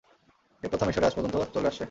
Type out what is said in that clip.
এ প্রথা মিসরে আজ পর্যন্ত চলে আসছে।